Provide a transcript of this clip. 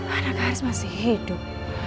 anak haris masih hidup